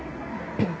うん。